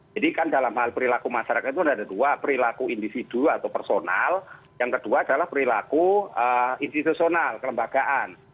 kan dalam hal perilaku masyarakat itu ada dua perilaku individu atau personal yang kedua adalah perilaku institusional kelembagaan